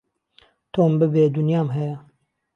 تۆم ببێ دونیام هەیە